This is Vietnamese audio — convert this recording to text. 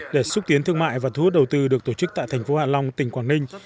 để xúc tiến thương mại và thu hút đầu tư được tổ chức tại thành phố hạ long tỉnh quảng ninh